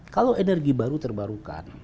kalau energi baru terbarukan